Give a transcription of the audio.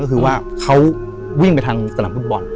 ก็คือว่าเขาวิ่งไปทางสนามฟุตบอล